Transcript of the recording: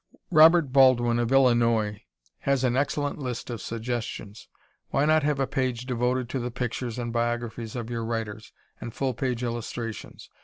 Robert Baldwin of Illinois has an excellent list of suggestions. Why not have a page devoted to the pictures and biographies of your writers, and full page illustrations?